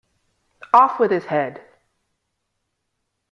Off with his head!